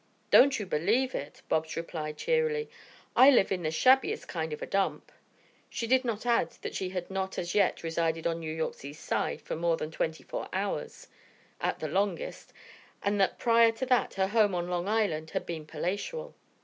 "Don't you believe it!" Bobs replied cheerily. "I live in the shabbiest kind of a dump." She did not add that she had not as yet resided on New York's East Side for more than twenty four hours, at the longest, and that prior to that her home on Long Island had been palatial.